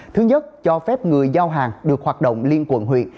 thứ nhất cho phép người giao hàng được hoạt động liên quận huyện